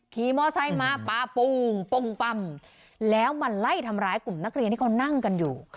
มอไซค์มาปลาโป้งปั้มแล้วมาไล่ทำร้ายกลุ่มนักเรียนที่เขานั่งกันอยู่